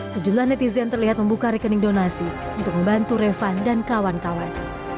sejumlah netizen terlihat membuka rekening donasi untuk membantu revan dan kawan kawan